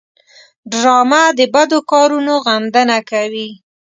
ډرامه د بدو کارونو غندنه کوي